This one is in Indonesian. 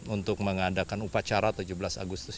untuk mengadakan upacara tujuh belas agustus